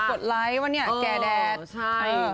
ไปกดไลค์วันนี้แก่แดดอ๋อใช่